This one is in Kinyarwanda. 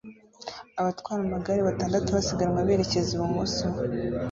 Abatwara amagare batandatu basiganwa berekeza ibumoso